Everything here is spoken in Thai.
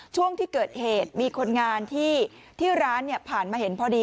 ช่วงที่เกิดเหตุมีคนงานที่ร้านผ่านมาเห็นพอดี